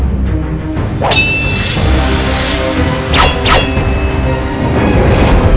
aku terpaksa menggunakan pedang pusaka